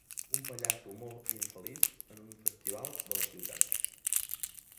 Un pallasso molt infeliç en un festival de la ciutat.